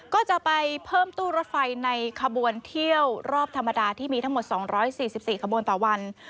ก็จะไปเพิ่มตู้รถไฟในขบวนเที่ยวรอบธรรมดาที่มีทั้งหมด๒๔๔ขบวนต่อวัน